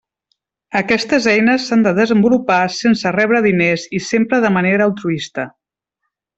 Aquestes eines s'han de desenvolupar sense rebre diners i sempre de manera altruista.